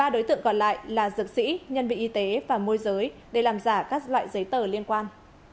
một mươi ba đối tượng còn lại là dược sĩ nhân vị y tế và môi giới để làm giả các loại giấy tờ liên quan